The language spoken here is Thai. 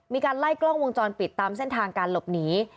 มีการไล่กล้องวงจรปิดตามเส้นทางการหลบหนี